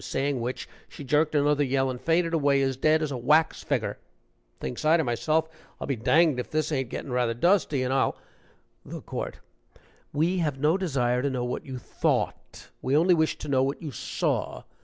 saying which, she jerked another yell and fainted away as dead as a wax figger. Thinks I to myself, I'll be danged if this ain't gettin' rather dusty, and I'll " THE COURT. "We have no desire to know what you thought; we only wish to know what you saw.